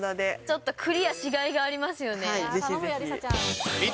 ちょっとクリアしがいがありぜひぜひ。